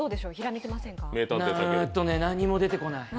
何も出てこない。